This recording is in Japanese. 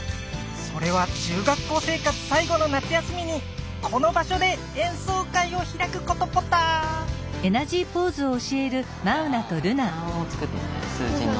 それは中学校生活最後の夏休みにこの場しょで演奏会をひらくことポタ！じゃあ３を作ってみて数字の。